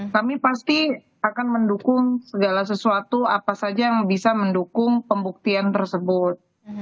kami pasti akan mendukung segala sesuatu apa saja yang bisa mendukung pembuktian tersebut